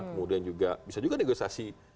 kemudian juga bisa juga negosiasi